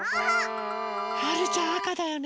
はるちゃんあかだよね。